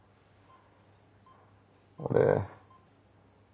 俺。